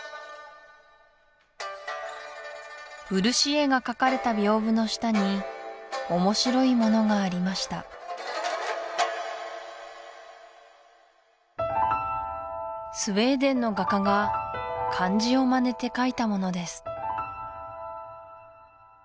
漆絵が描かれた屏風の下に面白いものがありましたスウェーデンの画家が漢字をまねて描いたものです